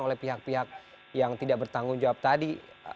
oleh pihak pihak yang tidak bertanggung jawab tadi